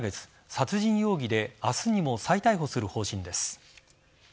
殺人容疑で明日にも再逮捕する方針です。